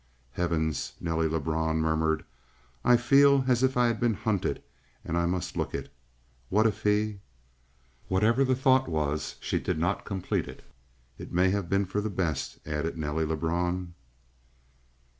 "Heavens!" Nelly Lebrun murmured. "I feel as if I had been hunted, and I must look it. What if he " Whatever the thought was she did not complete it. "It may have been for the best," added Nelly Lebrun.